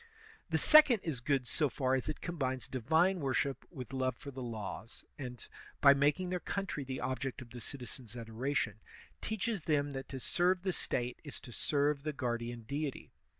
The second is good so far as it combines divine wor ship with love for the laws, and, by making their coun try the object of the citizens' adoration, teaches them that to serve the State is to serve the guardian deity.